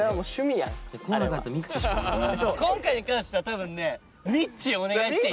今回に関しては多分ねみっちーお願いしていい？